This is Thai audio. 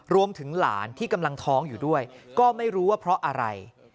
รวมถึงหลานที่กำลังท้องอยู่ด้วยก็ไม่รู้ว่าเพราะอะไร